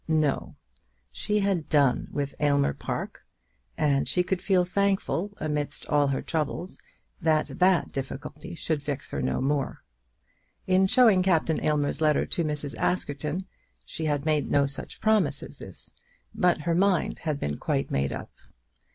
No; she had done with Aylmer Park, and she could feel thankful, amidst all her troubles, that that difficulty should vex her no more. In showing Captain Aylmer's letter to Mrs. Askerton she had made no such promise as this, but her mind had been quite made up.